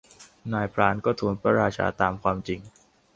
นายพรานก็ทูลพระราชาตามความจริง